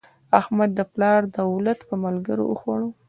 احمد د پلار دولت په ملګرو وخوړ.